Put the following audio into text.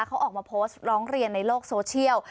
เขาออกมาโพสต์ร้องเรียนในโลกโซเชียล